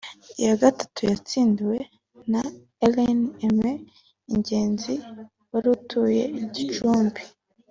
Iya gatatu yatsindiwe na Alain Aime Ingenzi wari atuye I Gicumbi